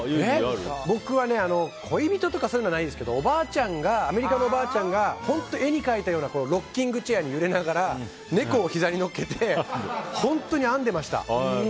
僕は恋人とかそういうのないですけどアメリカのおばあちゃんが本当、絵に描いたようなロッキングチェアに揺れながら猫をひざに乗っけて本当に編んでいました。